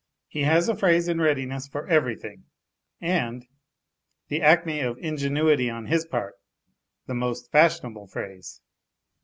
He has a phrase in readiness for every thing and the acme of ingenuity on his part the most fashion able phrase.